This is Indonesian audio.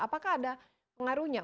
apakah ada pengaruhnya